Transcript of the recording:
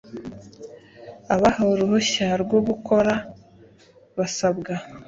Abahawe uruhushya rwo gukora basabwa